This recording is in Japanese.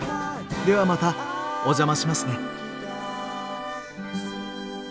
ではまたお邪魔しますね。